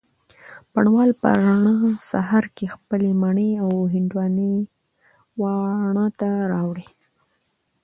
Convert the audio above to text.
بڼ وال په رڼه سهار کي خپلې مڼې او هندواڼې واڼه ته راوړې